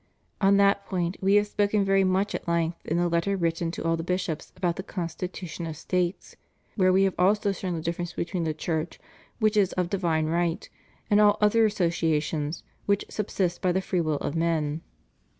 On that point We have spoken very much at length in the Letter written to all the bishops about the constitution of States ; where We have also shown the difference between the Church, which is of divine right, and all other associations which subsist by the free will of men.